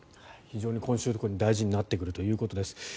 非常に今週以降も大事になってくるということです。